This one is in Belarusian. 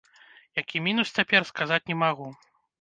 Які мінус цяпер, сказаць не магу.